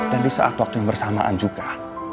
dan di saat waktu yang bersamaan juga